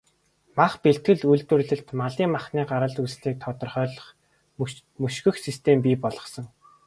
Мах бэлтгэл, үйлдвэрлэлд малын махны гарал үүслийг тодорхойлох, мөшгөх систем бий болгосон.